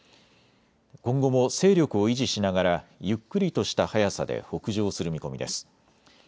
今後も勢力を維持しながらゆっくりとした速さで北上する見込みです。